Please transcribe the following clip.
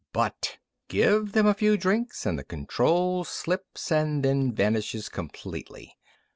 But, give them a few drinks and the control slips and then vanishes completely.